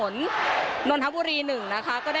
สนับสนุน